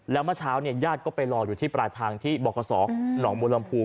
แล้วเมื่อเช้าญาติก็ไปรออยู่ที่ปลาทางที่บอกกระสอร์กหนองมลำพู